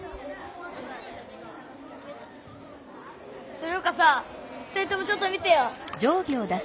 それよかさ２人ともちょっと見てよ。